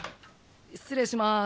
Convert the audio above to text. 失礼します。